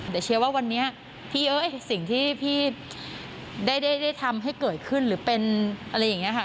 แต่เชียร์ว่าวันนี้พี่เอ้ยสิ่งที่พี่ได้ทำให้เกิดขึ้นหรือเป็นอะไรอย่างนี้ค่ะ